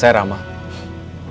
selamat malam panagraj